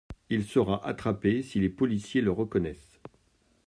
Il sera attrapé si les policiers le reconnaissent.